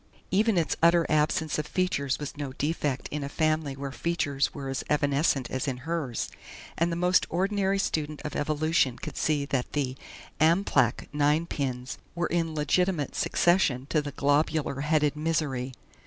Even its utter absence of features was no defect in a family where features were as evanescent as in hers, and the most ordinary student of evolution could see that the "Amplach" ninepins were in legitimate succession to the globular headed "Misery."